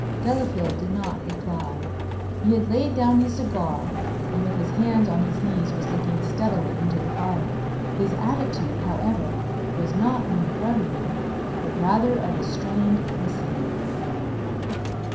Delafield did not reply. He had laid down his cigar, and with his hands on his knees was looking steadily into the fire. His attitude, however, was not one of reverie, but rather of a strained listening.